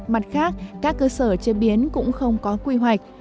mặt khác các cơ sở chế biến cũng không có quy hoạch